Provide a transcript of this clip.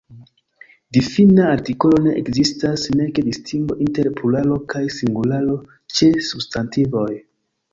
Difina artikolo ne ekzistas, nek distingo inter pluralo kaj singularo ĉe substantivoj.